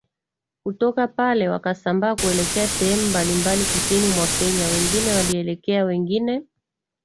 Kutoka pale wakasambaa kuelekea sehemu mbalimbali kusini mwa Kenya Wengine walielekea wengine